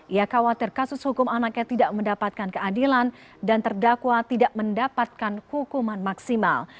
ia khawatir kasus hukum anaknya tidak mendapatkan keadilan dan terdakwa tidak mendapatkan hukuman maksimal